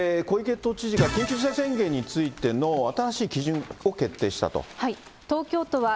小池都知事が緊急事態宣言についての新しい基準を決定したと。